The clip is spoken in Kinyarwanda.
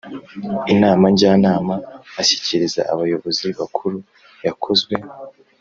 inama njyanama ishyikiriza abayobozi bakuru yakozwe